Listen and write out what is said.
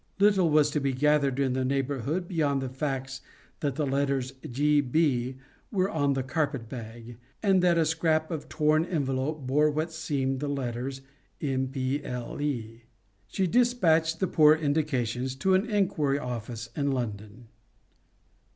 Little was to be gathered in the neighbourhood beyond the facts that the letters G. B. were on his carpet bag, and that a scrap of torn envelope bore what seemed the letters mple. She despatched the poor indications to an inquiry office in London.